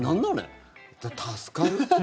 助かる。